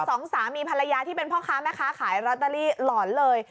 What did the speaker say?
สองสามีภรรยาที่เป็นพ่อค้าแม่ค้าขายลอตเตอรี่หลอนเลย